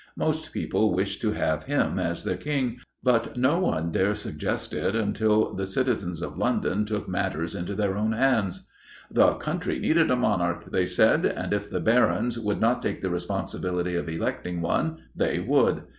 Most people wished to have him as their King; but no one dare suggest it until the citizens of London took matters into their own hands. 'The country needed a Monarch,' they said, 'and if the Barons would not take the responsibility of electing one, they would.